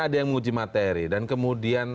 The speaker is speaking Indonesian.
ada yang menguji materi dan kemudian